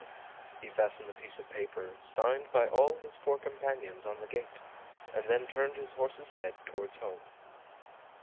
He fastened the piece of paper, signed by all his four companions, on the gate, and then turned his horse's head towards home.